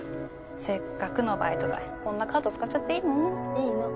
せっかくのバイト代こんなカード使っちゃっていいの？いいの。